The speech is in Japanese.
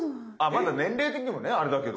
まだ年齢的にもねあれだけど。